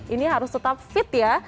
ini harus tetap fit ya